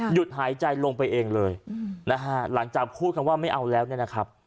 หยุดหายใจลงไปเองเลยหลังจากพูดคำว่าไม่เอาแล้วครับ